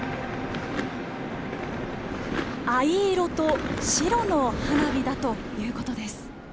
藍色と白の花火だということです。